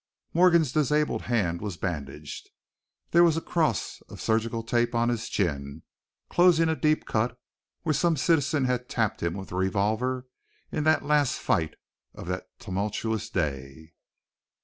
Morgan's disabled hand was bandaged; there was a cross of surgical tape on his chin, closing a deep cut where some citizen had tapped him with a revolver in the last fight of that tumultuous day.